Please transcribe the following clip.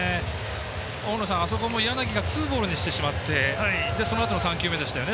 大野さん、あそこも柳がツーボールにしてしまってそのあとの３球目でしたね